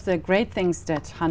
trang phóng đại diện